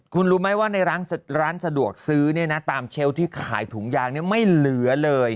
คุณรู้ไหมว่าในร้านสะดวกซื้อเนี่ยนะตามเชลล์ที่ขายถุงยางไม่เหลือเลย